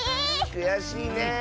くやしいね。